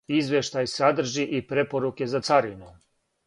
Извештај садржи и препоруке за царину.